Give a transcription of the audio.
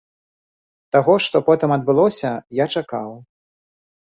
Таго, што потым адбылося, я чакаў.